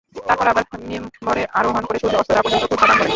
তারপর আবার মিম্বরে আরোহণ করে সূর্য অস্ত যাওয়া পর্যন্ত খুতবা দান করেন।